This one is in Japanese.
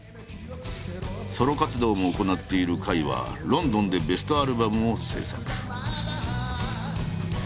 ソロ活動も行っている甲斐はロンドンでベストアルバムを制作。